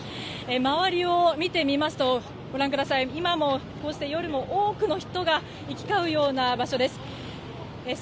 周りを見てみますと今も、こうして夜も多くの人が行き交うような場所です。